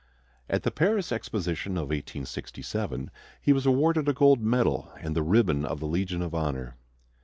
At the Paris Exposition of 1867 he was awarded a gold medal and the ribbon of the Legion of Honor.